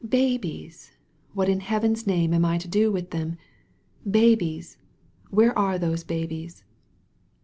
Babies! What in Heaven's name am I to do with them? Babies! Where are those babies?"